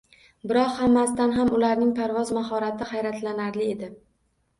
Biroq hammasidan ham ularning parvoz mahorati hayratlanarli edi